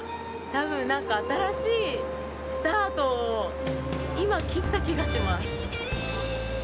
多分、なんか新しいスタートを今、切った気がします。